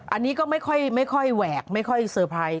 อันนี้ก็ไม่ค่อยแหวกไม่ค่อยเซอร์ไพรส